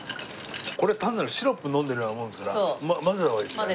これ単なるシロップ飲んでるようなものですから混ぜた方がいいですね。